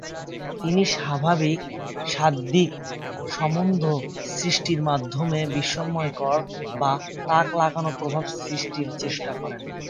তিনি অস্বাভাবিক শাব্দিক সম্বন্ধ সৃষ্টির মাধ্যমে বিস্ময়কর বা তাক লাগানো প্রভাব সৃষ্টির চেষ্টা করেন।